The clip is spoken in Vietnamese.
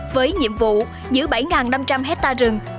với nhiệm vụ giữ bảy năm trăm linh hectare rừng